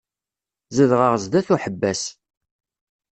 Zedɣeɣ sdat uḥebbas.